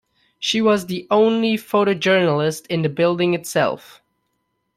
She was the only photojournalist in the building itself.